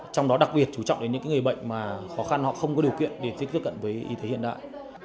trong đó đặc biệt chú trọng đến những người bệnh mà khó khăn họ không có điều kiện để tiếp cận với y tế hiện đại